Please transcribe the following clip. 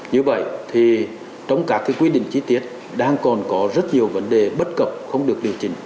như vậy thì trong các quy định chi tiết đang còn có rất nhiều vấn đề bất cập không được điều chỉnh